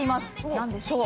何でしょう？